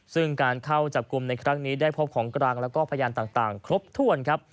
ซึ่งการเข้าจับกลุ่มในครั้งนี้ได้พบของกลางแล้วก็พยานต่างครบถ้วนครับ